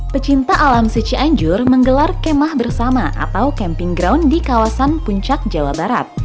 pecinta alam secianjur menggelar kemah bersama atau camping ground di kawasan puncak jawa barat